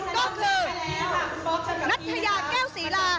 ก็คือนัทยาแก้วศรีลา